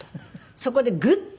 そこでグッと。